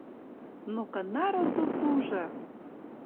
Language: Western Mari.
Но кынары сусужы!